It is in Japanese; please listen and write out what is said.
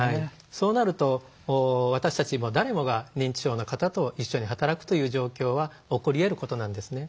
そうなると私たち誰もが認知症の方と一緒に働くという状況は起こりえることなんですね。